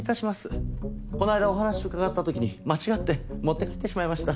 この間お話を伺った時に間違って持って帰ってしまいました。